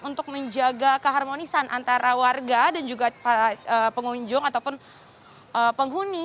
untuk menjaga keharmonisan antara warga dan juga para pengunjung ataupun penghuni